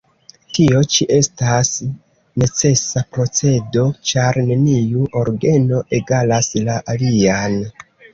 Tio ĉi estas necesa procedo, ĉar neniu orgeno egalas la alian.